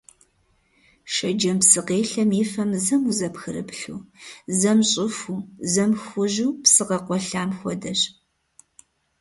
Шэджэм псыкъелъэм и фэм зэм узэпхрыплъу, зэм щӀыхуу, зэм хужьу, псы къэкъуэлъам хуэдэщ.